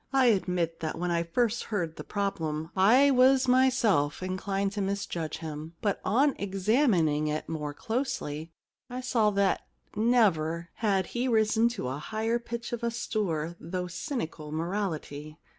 I admit that when I first heard the problem I was myself inclined to mis judge him. But on examining it more closely I saw that never had he risen to a higher pitch of austere, though cynical, morality.